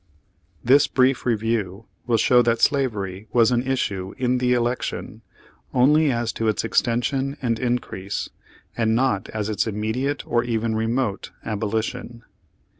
This brief review will show that slavery was an issue in the election, only as to its extension and increase, and not as to its immediate or even remote abolition.